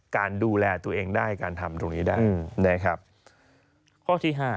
การดูแลตัวเองได้การทำตรงนี้ได้นะครับข้อที่ห้า